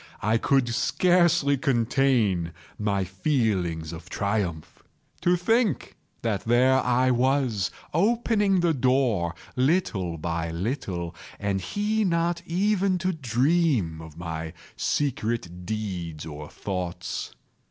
I could scarcely contain my feelings of triumph. To think that there I was, opening the door, little by little, and he not even to dream of my secret deeds or thoughts.